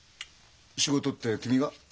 「仕事」って君が？